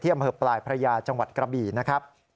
อำเภอปลายพระยาจังหวัดกระบี่นะครับ